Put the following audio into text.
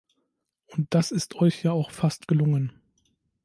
Und das ist euch ja auch fast gelungen.